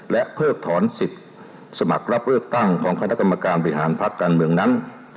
และเพิกถอนสิทธิ์สมัครรับเลือกตั้งของคณะกรรมการบริหารพักการเมืองนั้น